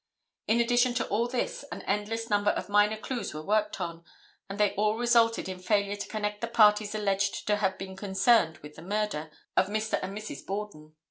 In addition to all this an endless number of minor clues were worked out, and they all resulted in failure to connect the parties alleged to have been concerned with the murder of Mr. and Mrs. Borden.